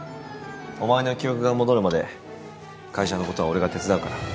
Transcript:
お前の記憶が戻るまで会社のことは俺が手伝うから。